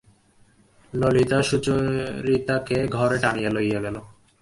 ললিতা সুচরিতাকে ঘরে টানিয়া লইয়া গেল।